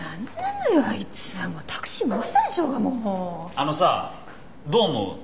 あのさどう思う？